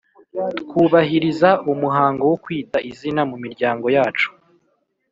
twubahiriza umuhango wo kwita izina mu miryango yacu,